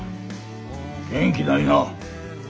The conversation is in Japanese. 元気ないな。